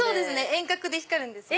遠隔で光るんですよ。